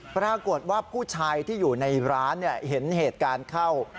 ปรากฏว่าผู้ชายที่อยู่ในร้านเห็นเหตุการณ์เข้า